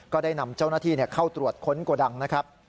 ก็ได้นำเจ้าหน้าที่เข้าตรวจค้นโกดังนะครับ